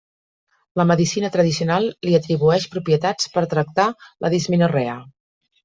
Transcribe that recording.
La medicina tradicional li atribueix propietats per a tractar la dismenorrea.